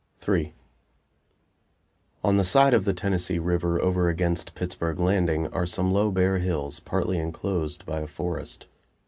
III On the side of the Tennessee River, over against Pittsburg Landing, are some low bare hills, partly inclosed by a forest.